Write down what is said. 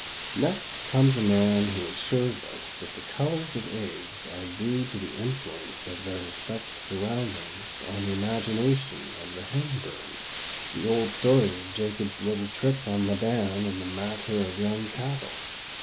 Next comes a man who assures us that the colors of eggs are due to the influence of their respective surroundings on the imagination of the hen birds the old story of Jacob's little trick on Laban in the matter of young cattle.